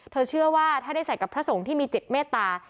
เชื่อว่าถ้าได้ใส่กับพระสงฆ์ที่มีจิตเมตตา